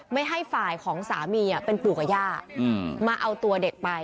ไม่ให้ฝ่ายของสามีเป็นปู่กับย่ามาเอาตัวเด็กไป